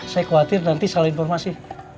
saya khawatir nanti salah informasi